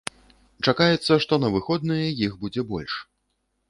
Чакаецца, што на выходныя іх будзе больш.